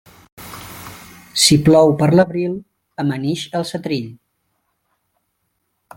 Si plou per l'abril, amanix el setrill.